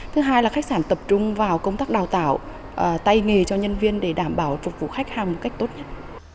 thứ hai là khách sạn tập trung vào công tác đào tạo tay nghề cho nhân viên để đảm bảo phục vụ khách hàng một cách tốt nhất